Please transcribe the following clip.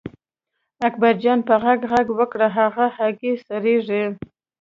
اکبرجان په غږ غږ وکړ هغه هګۍ سړېږي.